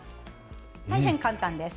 大変簡単です。